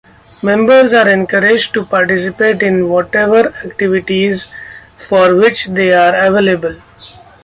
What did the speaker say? Members are encouraged to participate in whatever activities for which they are available.